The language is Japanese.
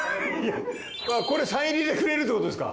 これサイン入りでくれるってことですか？